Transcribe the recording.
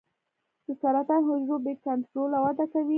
د سرطان حجرو بې کنټروله وده کوي.